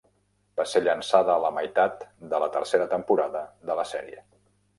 Va ser llançada a la meitat de la tercera temporada de la sèrie.